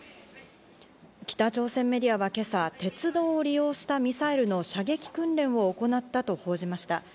北朝鮮メディアは今朝、鉄道を利用したミサイルの射撃訓練を行ったと報じました。